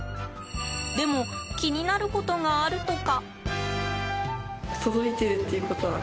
でも、気になることがあるとか。